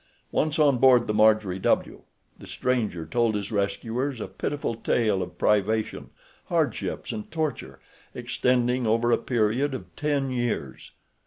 Once on board the Marjorie W. the stranger told his rescuers a pitiful tale of privation, hardships, and torture, extending over a period of ten years.